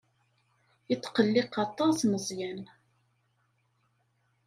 Yetqelliq aṭas Meẓyan.